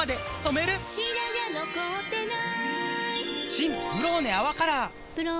新「ブローネ泡カラー」「ブローネ」